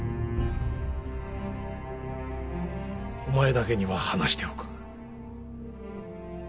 お前だけには話しておく。